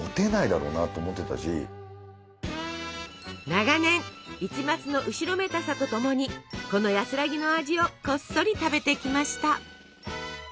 長年一抹の後ろめたさとともにこの安らぎの味をこっそり食べてきました。